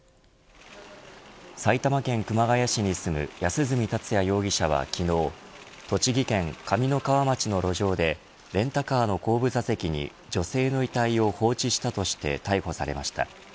埼玉県熊谷市に住む安栖達也容疑者は昨日栃木県上三川町の路上でレンタカーの後部座席に女性の遺体を放置したとして逮捕されました。